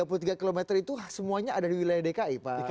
oke tiga puluh tiga km itu semuanya ada di wilayah dki jakarta